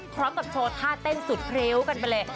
พร้อมกับโชว์ท่าเต้นสุดพริ้วกันไปเลย